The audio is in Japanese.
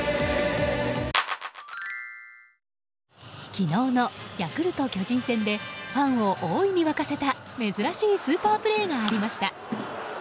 昨日のヤクルト、巨人戦でファンを大いに沸かせた珍しいスーパープレーがありました。